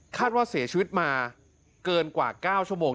ว่าเสียชีวิตมาเกินกว่า๙ชั่วโมง